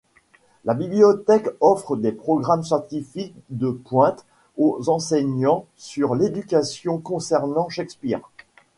La bibliothèque offre des programmes scientifiques de pointe aux enseignants sur l'éducation concernant Shakespeare.